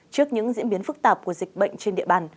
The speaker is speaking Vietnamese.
trước những diễn biến phức tạp của dịch bệnh trên địa bàn